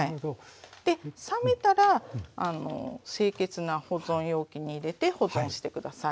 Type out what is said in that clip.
で冷めたら清潔な保存容器に入れて保存して下さい。